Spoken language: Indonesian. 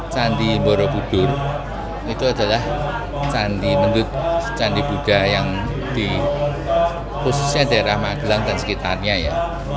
candi muro budur itu adalah candi mendut candi buda yang diposisikan dari rahmat gilang dan sekitarnya ya